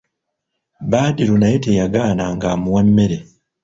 Badru naye teyagaana ng'amuwa mmere.